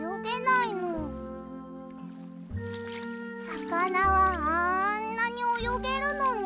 さかなはあんなにおよげるのに。